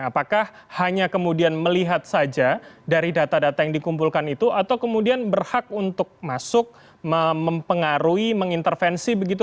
apakah hanya kemudian melihat saja dari data data yang dikumpulkan itu atau kemudian berhak untuk masuk mempengaruhi mengintervensi begitu